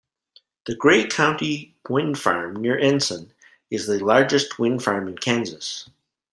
The Gray County Wind Farm near Ensign is the largest wind farm in Kansas.